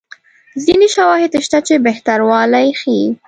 ځیني شواهد شته چې بهتروالی ښيي.